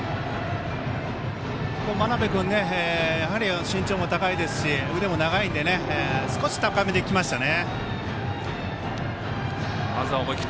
真鍋君、やはり身長も高いですし腕も長いんで少し高めできましたね。